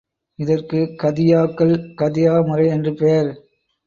இதற்கு கதியாக்கள் கதியா முறை என்று பெயர்.